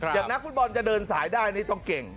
นักฟุตบอลจะเดินสายได้นี่ต้องเก่ง